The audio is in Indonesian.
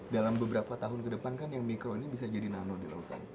dalam beberapa tahun ke depan kan yang mikro ini bisa jadi nano di lautan